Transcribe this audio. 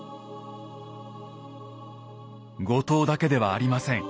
後藤だけではありません。